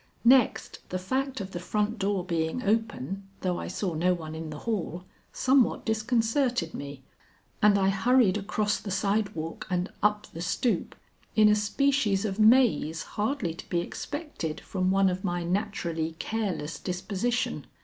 Next the fact of the front door being open, though I saw no one in the hall, somewhat disconcerted me, and I hurried across the sidewalk and up the stoop in a species of maze hardly to be expected from one of my naturally careless disposition.